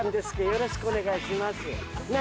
よろしくお願いします。